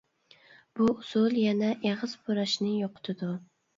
بۇ ئۇسۇل يەنە ئېغىز پۇراشنى يوقىتىدۇ.